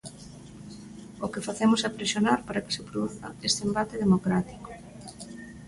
O que facemos é presionar para que se produza este embate democrático.